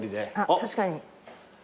あっ確かに。